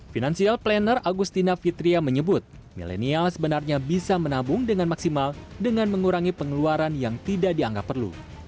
financial planner agustina fitria menyebut milenial sebenarnya bisa menabung dengan maksimal dengan mengurangi pengeluaran yang tidak dianggap perlu